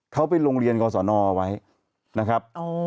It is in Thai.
เขาไปโรงเรียนกศนไว้นะครับ